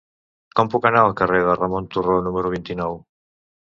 Com puc anar al carrer de Ramon Turró número vint-i-nou?